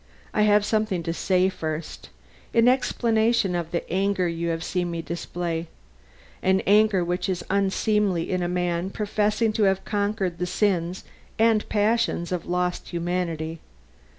I have something to say first, in explanation of the anger you have seen me display; an anger which is unseemly in a man professing to have conquered the sins and passions of lost humanity.